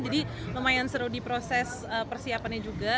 jadi lumayan seru di proses persiapannya juga